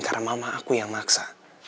karena mama aku yang maksa